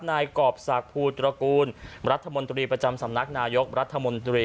นายกรอบศักดิ์ภูตระกูลรัฐมนตรีประจำสำนักนายกรัฐมนตรี